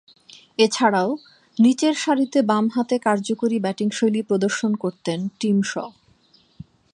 এছাড়াও, নিচেরসারিতে বামহাতে কার্যকরী ব্যাটিংশৈলী প্রদর্শন করতেন টিম শ।